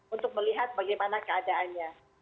untuk melihat bagaimana keadaannya